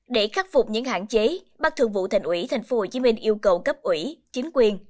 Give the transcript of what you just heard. để khắc phục những hạn chế bác thượng vụ thành ủy tp hcm yêu cầu cấp ủy chính quyền